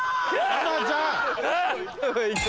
珠ちゃん！